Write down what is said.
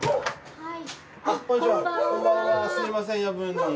はい。